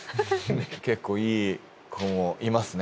結構いい子もいますね。